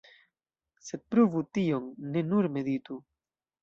Sed pruvu tion, ne nur meditu!